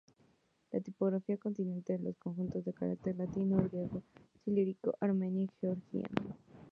La tipografía contiene los conjuntos de caracteres latino, griego, cirílico, armenio y georgiano.